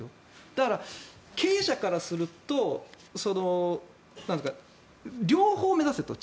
だから、経営者からすると両方目指せと。